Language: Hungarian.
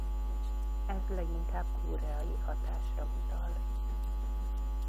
Ez leginkább koreai hatásra utal.